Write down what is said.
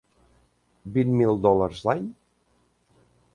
Vint mil dòlars l'any?